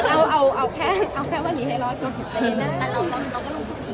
แต่เราก็ต้องสุขดีกับเขาในในแรกสุขดีกับเขาคือใช่ไหม